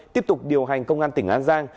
tiếp tục điều hành công an tỉnh an giang